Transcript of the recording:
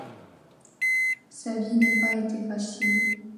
Sa vie n’a pas été facile.